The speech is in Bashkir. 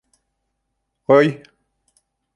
Ой!